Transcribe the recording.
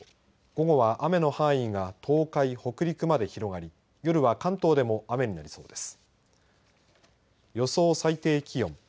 午後は雨の範囲が東海北陸まで広がり夜は関東でも雨になりそうです。